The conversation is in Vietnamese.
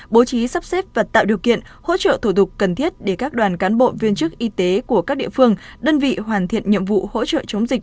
bố trí sắp xếp và tạo điều kiện hỗ trợ thủ tục cần thiết để các đoàn cán bộ viên chức y tế của các địa phương đơn vị hoàn thiện nhiệm vụ hỗ trợ chống dịch